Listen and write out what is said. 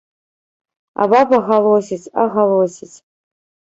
А баба галосіць а галосіць.